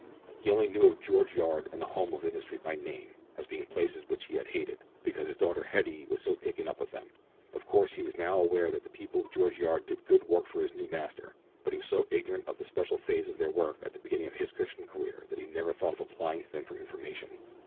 He only knew of George Yard and the Home of Industry by name, as being places which he had hated, because his daughter Hetty was so taken up with them. Of course he was now aware that the people of George Yard did good work for his new Master, but he was so ignorant of the special phase of their work at the beginning of his Christian career that he never thought of applying to them for information.